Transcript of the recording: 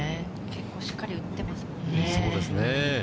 結構しっかり打ってますもんそうですね。